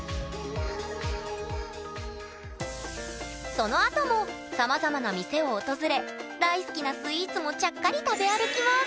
そのあともさまざまな店を訪れ大好きなスイーツもちゃっかり食べ歩きます